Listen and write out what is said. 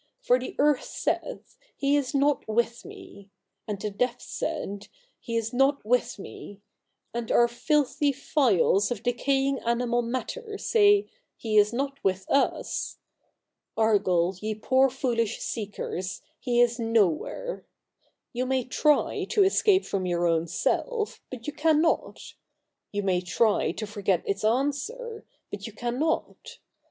For the Earth saith. He is not with me ; and the depth saith. He is not with me ; and our filthy phials of decaying animal matter say, He is not with us. Argal, ye poor foolish seekers, He is nowhere." You may try to escape from your own Self, but you cannot ; you may try to forget its answer, but you cannot.